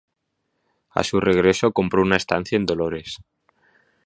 A su regreso, compró una estancia en Dolores.